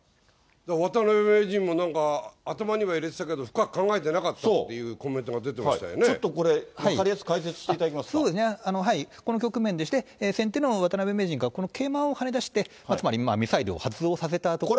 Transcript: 渡辺名人もなんか、頭には入れてたけど、深く考えてなかったっていうコメントが出てちょっとこれ、分かりやすくこの局面でして、先手の渡辺名人がこの桂馬をはねだして、つまりミサイルを発動させたところ。